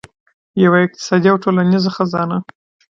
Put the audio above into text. یوه اقتصادي او ټولنیزه خزانه.